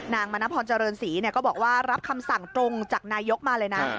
มณพรเจริญศรีก็บอกว่ารับคำสั่งตรงจากนายกมาเลยนะ